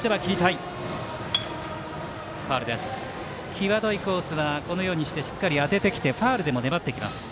際どいコースはしっかり当ててきてファウルで粘ってきます。